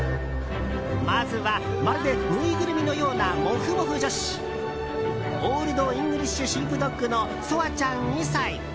まずは、まるでぬいぐるみのようなモフモフ女子オールド・イングリッシュ・シープドッグのソアちゃん、２歳。